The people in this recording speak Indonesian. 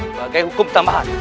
sebagai hukum tambahan